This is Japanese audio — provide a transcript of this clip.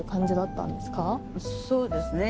そうですね。